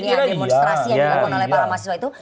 ya demonstrasi yang dilakukan oleh para mahasiswa itu